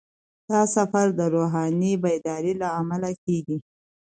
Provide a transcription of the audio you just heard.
دا سفر د روحاني بیدارۍ لامل کیږي.